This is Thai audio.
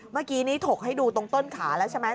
เมื่อกี้นี้ถกให้ดูตรงต้นขาแล้วใช่ไหม